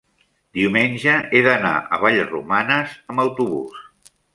diumenge he d'anar a Vallromanes amb autobús.